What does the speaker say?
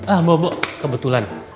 ah mbok mbok kebetulan